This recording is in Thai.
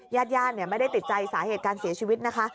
ญาติญาติไม่ได้ติดใจสาเหตุการเสียชีวิตนะคะ